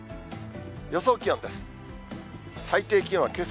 予想気温です。